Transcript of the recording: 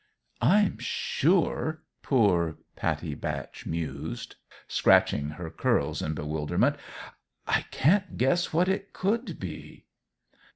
"I'm sure," poor Pattie Batch mused, scratching her curls in bewilderment, "I can't guess what it could be."